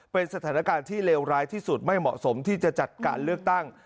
เป็นสถานการณ์ที่เลวร้ายที่สุดไม่เหมาะสมที่จะจัดการเลือกตั้ง